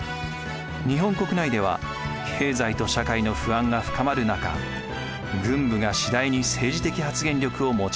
日本国内では経済と社会の不安が深まるなか軍部が次第に政治的発言力を持ち始めます。